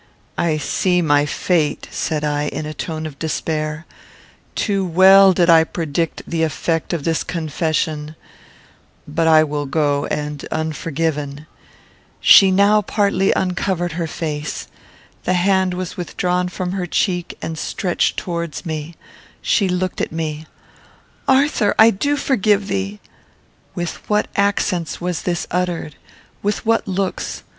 "I see my fate," said I, in a tone of despair. "Too well did I predict the effect of this confession; but I will go and unforgiven." She now partly uncovered her face. The hand was withdrawn from her cheek, and stretched towards me. She looked at me. "Arthur! I do forgive thee." With what accents was this uttered! With what looks!